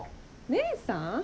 姉さん？